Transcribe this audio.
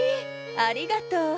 ありがとう。